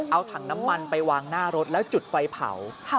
เอาถังน้ำมันไปวางหน้ารถแล้วจุดไฟเผา